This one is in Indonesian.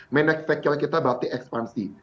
manage factual kita berarti ekspansi